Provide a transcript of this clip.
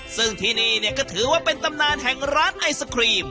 ซึ่งที่นี่เนี่ยก็ถือว่าเป็นตำนานแห่งร้านไอศครีม